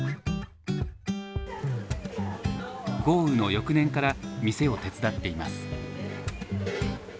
豪雨の翌年から店を手伝っています。